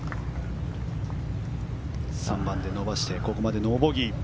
３番で伸ばしてここまでノーボギー。